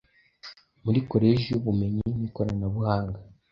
muri Koleji y’Ubumenyi n ’Ikoranabuhanga,